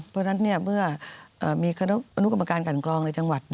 เพราะฉะนั้นเมื่อมีอนุกรรมการกันกรองในจังหวัด